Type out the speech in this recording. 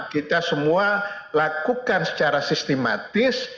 kita semua lakukan secara sistematis